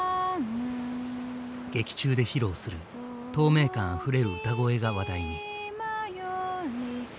劇中で披露する透明感あふれる歌声が話題に。